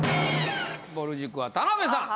ぼる塾は田辺さん！